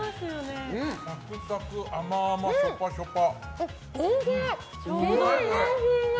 サクサク、甘々ショパショパ。